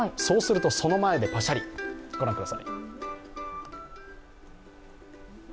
そうすると、その前でパシャリ、御覧ください。